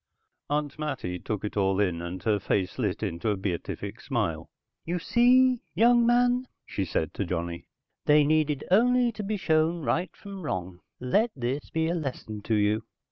Aunt Mattie took it all in, and her face lit into a beatific smile. "You see, young man," she said to Johnny. "They needed only to be shown right from wrong. Let this be a lesson to you."